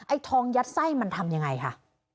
ทองยัดไส้มันทำยังไงค่ะ